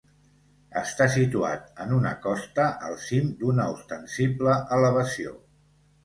Està situat en una costa al cim d'una ostensible elevació.